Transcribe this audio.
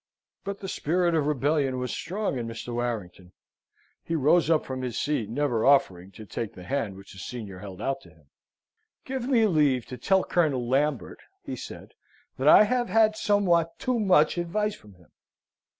But the spirit of rebellion was strong in Mr. Warrington. He rose up from his seat, never offering to take the hand which his senior held out to him. "Give me leave to tell Colonel Lambert," he said, "that I have had somewhat too much advice from him.